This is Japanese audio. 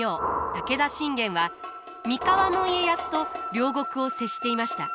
武田信玄は三河の家康と領国を接していました。